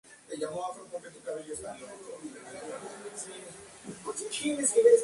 Toda la planta es más o menos roja.